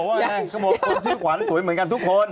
เขาบอกคนชื่อขวัญสวยเหมือนกันทุกคน